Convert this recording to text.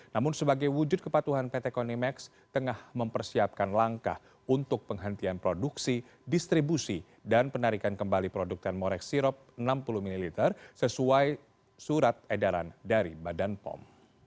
namun sebagai wujud kepatuhan pt konimax tengah mempersiapkan langkah untuk penghentian produksi distribusi dan penarikan kembali produk termorex sirop enam puluh ml sesuai surat edaran dari badan pom